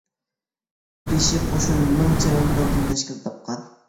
پىشى قوشۇن مىڭ چەۋەندازدىن تەشكىل تاپقان.